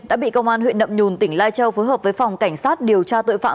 đã bị công an huyện nậm nhùn tỉnh lai châu phối hợp với phòng cảnh sát điều tra tội phạm